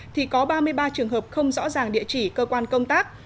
thì có ba mươi ba trường hợp không rõ ràng địa chỉ cơ quan công tác